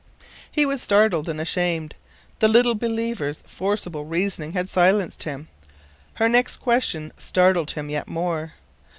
He was startled and ashamed. The little believer's forcible reasoning had silenced him. Her next question startled him yet more.